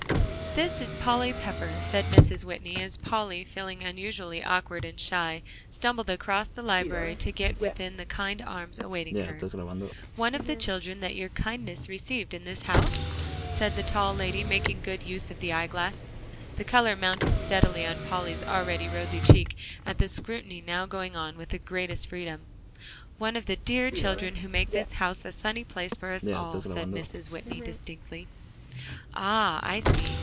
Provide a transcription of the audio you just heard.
"This is Polly Pepper," said Mrs. Whitney, as Polly, feeling unusually awkward and shy, stumbled across the library to get within the kind arms awaiting her. "One of the children that your kindness received in this house?" said the tall lady, making good use of the eyeglass. The color mounted steadily on Polly's already rosy cheek, at the scrutiny now going on with the greatest freedom. "One of the dear children who make this house a sunny place for us all," said Mrs. Whitney distinctly. "Ah? I see.